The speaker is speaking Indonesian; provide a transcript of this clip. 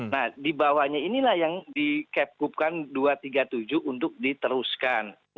nah di bawahnya inilah yang di capcubkan dua ratus tiga puluh tujuh untuk diteruskan